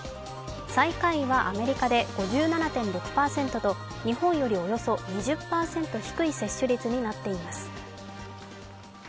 最下位はアメリカで５７．６％と日本よりおよそ２０％低い接種率になっています。